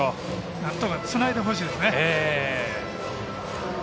なんとかつないでほしいですね。